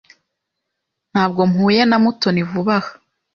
Ntabwo mpuye na Mutoni vuba aha.